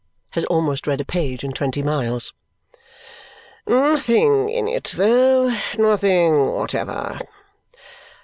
Has almost read a page in twenty miles. "Nothing in it, though. Nothing whatever."